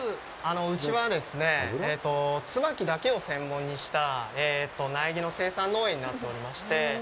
うちはですね、椿だけを専門にした苗木の生産農園になっておりまして。